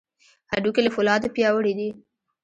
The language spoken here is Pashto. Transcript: هډوکي له فولادو پیاوړي دي.